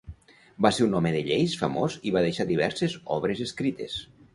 Va ser un home de lleis famós i va deixar diverses obres escrites.